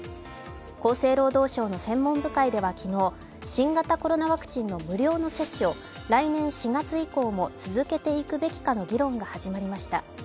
厚生労働省の専門部会では昨日、新型コロナワクチンの無料の接種を来年４月以降も続けていくべきかの議論が始まりました。